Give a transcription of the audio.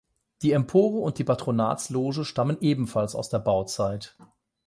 Die Empore und die Patronatsloge stammen ebenfalls aus der Bauzeit.